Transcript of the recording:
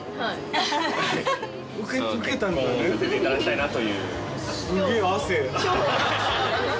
はい。